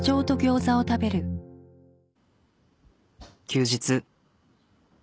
休日。